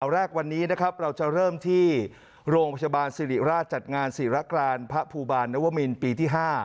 แรกวันนี้นะครับเราจะเริ่มที่โรงพยาบาลสิริราชจัดงานศิรกรานพระภูบาลนวมินปีที่๕